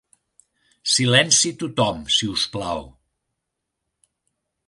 Silenci tothom, si us plau!